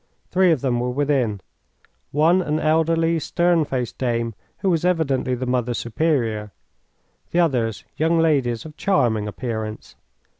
Three of them were within, one an elderly, stern faced dame, who was evidently the Mother Superior, the others, young ladies of charming appearance.